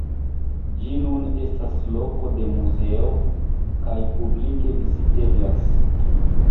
Ĝi nun estas loko de muzeo, kaj publike viziteblas.